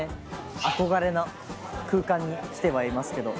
憧れの空間に来てはいますけど。